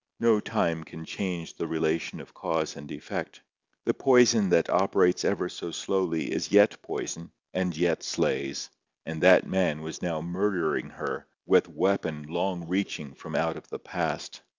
No time can change the relation of cause and effect. The poison that operates ever so slowly is yet poison, and yet slays. And that man was now murdering her, with weapon long reaching from out of the past.